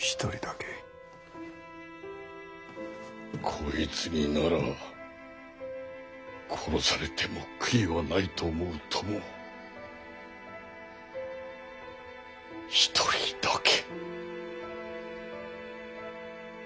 こいつになら殺されても悔いはないと思う友を一人だけ。